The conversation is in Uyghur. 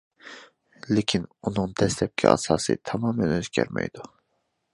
لېكىن، ئۇنىڭ دەسلەپكى ئاساسى تامامەن ئۆزگەرمەيدۇ.